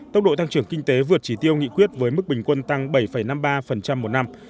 tốc độ tăng trưởng kinh tế vượt chỉ tiêu nghị quyết với mức bình quân tăng bảy năm mươi ba một năm